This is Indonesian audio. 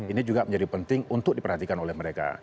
ini juga menjadi penting untuk diperhatikan oleh mereka